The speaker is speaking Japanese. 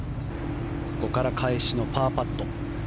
ここから返しのパーパット。